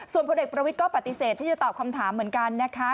ส่วนพลเอกประวิทย์ก็ปฏิเสธที่จะตอบคำถามเหมือนกันนะคะ